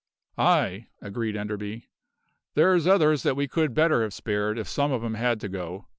"Ay," agreed Enderby; "there's others that we could better have spared, if some of 'em had to go.